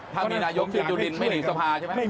ถ้ามีนายกจุดินไม่หนีสภาใช่ไหม